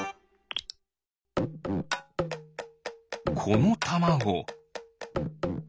このたまご。